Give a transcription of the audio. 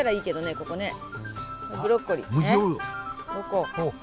ここねブロッコリー。